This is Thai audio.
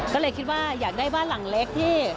ก็เลยคิดว่าอยากได้บ้านหลังเล็กที่